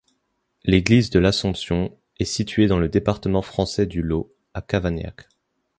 L'église de l'Assomption est située dans le département français du Lot, à Cavagnac.